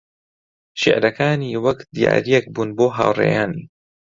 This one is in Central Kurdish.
شیعرەکانی وەک دیارییەک بوون بۆ هاوڕێیانی